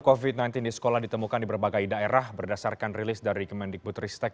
covid sembilan belas di sekolah ditemukan di berbagai daerah berdasarkan rilis dari kemendikbud ristek